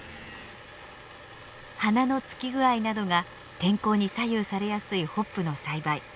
花のつき具合などが天候に左右されやすいホップの栽培。